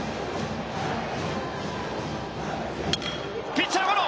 ピッチャーゴロ。